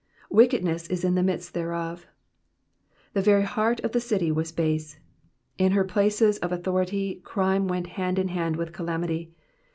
''Wickedness is in the midst thereof'' The very heart of the city was base. In her places of authority crime went hand in hand with calamity.